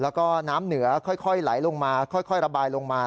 แล้วก็น้ำเหนือค่อยไหลลงมาค่อยระบายลงมา